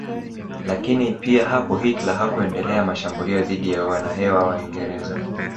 Lakini pia hapo Hitler hakuendelea mashambulio dhidi ya wanahewa wa Uingereza